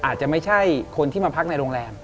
อาจจะไม่ใช่คนที่มาพักในโรงแรม